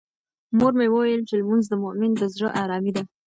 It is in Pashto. مور مې وویل چې لمونځ د مومن د زړه ارامي ده.